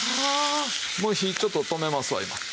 もう火ちょっと止めますわ今。